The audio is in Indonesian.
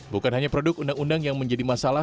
bukan hanya produk undang undang yang menjadi masalah